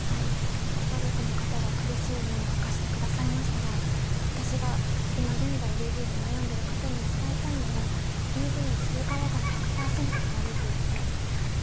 ご家族の方が苦しい思いを明かしてくださいましたが私が今現在ＤＶで悩んでいる方に伝えたいのは、ＤＶをする側が１００％悪いということです。